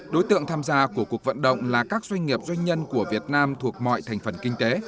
đối tượng tham gia của cuộc vận động là các doanh nghiệp doanh nhân của việt nam thuộc mọi thành phần kinh tế